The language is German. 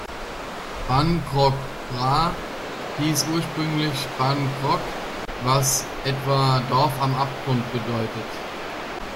Ban Krok Phra hieß ursprünglich "Ban Krok", was etwa "Dorf am Abgrund" bedeutet.